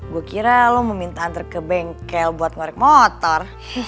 gue kira lo mau minta antre ke bengkel buat ngorek motor